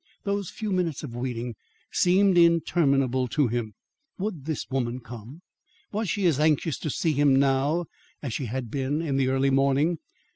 Those few minutes of waiting seemed interminable to him. Would the woman come? Was she as anxious to see him now as she had been in the early morning?